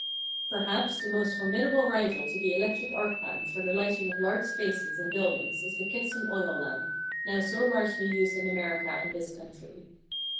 Perhaps the most formidable rival to the electric arc lamp for the lighting of large spaces and buildings is the Kitson Oil Lamp, now so largely used in America and this country.